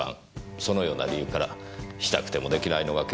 そのような理由からしたくてもできないのが警察官の現状です。